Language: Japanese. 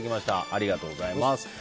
ありがとうございます。